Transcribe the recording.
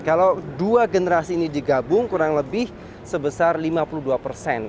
kalau dua generasi ini digabung kurang lebih sebesar lima puluh dua persen